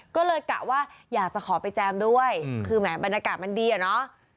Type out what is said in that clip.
ก็เลยกะว่าอยากจะขอไปแจมด้วยคือแหมบรรยากาศมันดีอะเนาะ